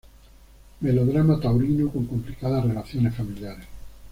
Melodrama taurino con complicadas relaciones familiares.